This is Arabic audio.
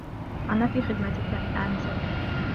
أنا في خدمتكِ، أنستي.